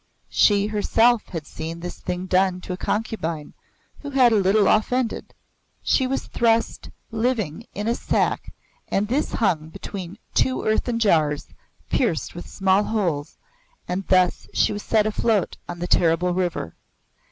She herself had seen this thing done to a concubine who had a little offended. She was thrust living in a sack and this hung between two earthen jars pierced with small holes, and thus she was set afloat on the terrible river.